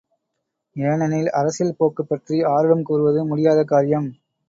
ஏனெனில், அரசியல் போக்குப் பற்றி ஆருடம் கூறுவது முடியாத காரியம்.